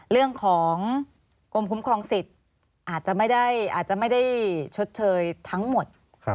เรื่องของกรมคุ้มครองสิทธิ์อาจจะไม่ได้ชดเชยทั้งหมด